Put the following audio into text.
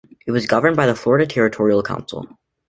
It was governed by the Florida Territorial Council.